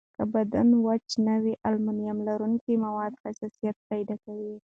که بدن وچ نه وي، المونیم لرونکي مواد حساسیت پیدا کوي.